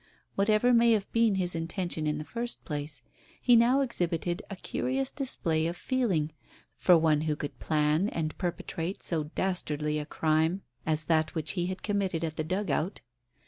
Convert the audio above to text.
Whatever may have been his intention in the first place, he now exhibited a curious display of feeling for one who could plan and perpetrate so dastardly a crime as that which he had committed at the dugout.